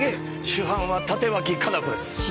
主犯は立脇香菜子です